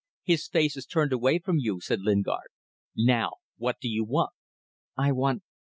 His face is turned away from you," said Lingard. "Now, what do you want?" "I want